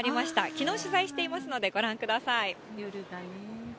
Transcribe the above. きのう、取材していますので、ご覧ください。